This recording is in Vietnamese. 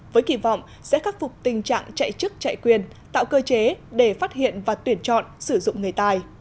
với kỳ vọng sẽ khắc phục tình trạng chạy chức chạy quyền tạo cơ chế để phát hiện và tuyển chọn sử dụng người tài